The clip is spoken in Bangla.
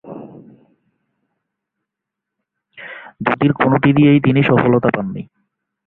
দুটির কোনটি দিয়েই তিনি সফলতা পান নি।